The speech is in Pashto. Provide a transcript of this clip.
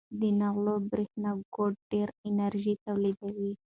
د نغلو برېښنا کوټ ډېره انرژي تولیدوي.